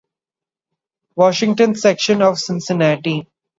Washington section of Cincinnati.